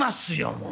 もう。